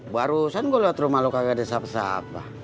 barusan gue lewat rumah lu kagak ada siapa siapa